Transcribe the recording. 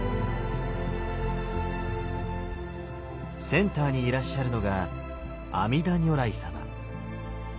センターにいらっしゃるのが阿弥陀如来様。